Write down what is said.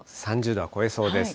３０度は超えそうです。